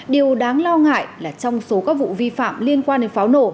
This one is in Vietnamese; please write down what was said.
điều đáng lo ngại là trong số các vụ vi phạm liên quan đến pháo nổ